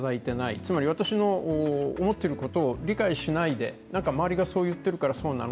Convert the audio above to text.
つまり私の思っていることを理解しないで周りがそう言ってるからそうなの？